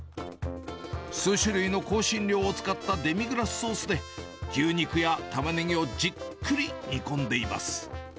数種類の香辛料を使ったデミグラスソースで、牛肉やタマネギをじっくり煮込んでいます。